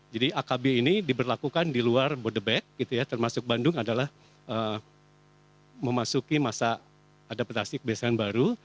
jadi akb ini diberlakukan di luar bodebek termasuk bandung adalah memasuki masa adaptasi kebiasaan baru